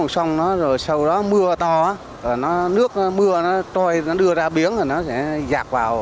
sau đó mưa to nước mưa trôi đưa ra biển nó sẽ giạc vào